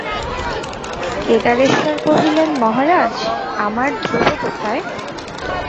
কেদারেশ্বর কহিলেন মহারাজ, আমার ধ্রুব কোথায়?